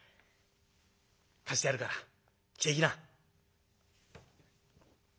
貸してやるから着ていきな」。